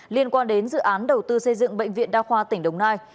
liên quan đến dự án đầu tư xây dựng bệnh viện đa khoa tỉnh đồng nai